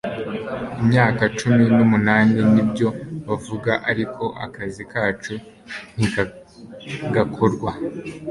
imyaka cumi numunani nibyo bavuga, ariko akazi kacu ntigakorwa